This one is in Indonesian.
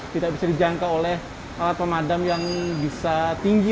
tidak bisa dijangka oleh alat pemadam yang bisa tinggi